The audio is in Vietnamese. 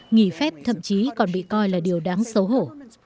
nghỉ phép thậm chí còn bị coi là điều đáng xấu hổ